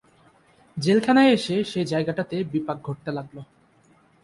জেলখানায় এসে সেই জায়গাটাতে বিপাক ঘটতে লাগল।